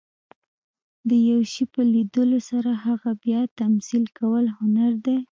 د یو شي په لیدلو سره هغه بیا تمثیل کول، هنر دئ.